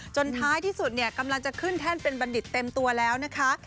ท้ายที่สุดเนี่ยกำลังจะขึ้นแท่นเป็นบัณฑิตเต็มตัวแล้วนะคะ